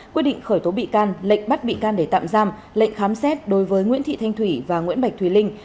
quyết định khởi tố bị can lệnh bắt bị can để tạm giam lệnh khám xét đối với nguyễn thị thanh thủy và nguyễn bạch thùy linh